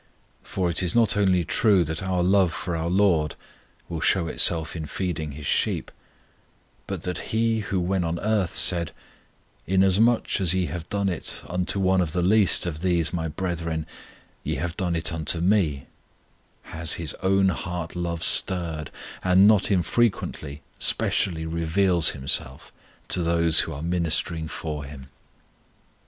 For it is not only true that our love for our LORD will show itself in feeding His sheep, but that He who when on earth said, "Inasmuch as ye have done it unto one of the least of these My brethren, ye have done it unto Me," has His own heart love stirred, and not infrequently specially reveals Himself to those who are ministering for Him.